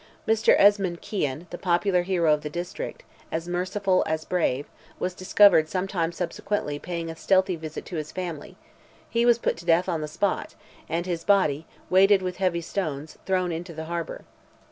Mr. Esmond Kyan, the popular hero of the district, as merciful as brave, was discovered some time subsequently paying a stealthy visit to his family; he was put to death on the spot, and his body, weighted with heavy stones, thrown into the harbour.